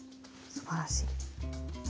すばらしい。